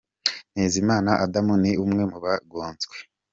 Ntezimana Adam ni umwe mu bagonzwe.